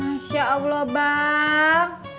masya allah bang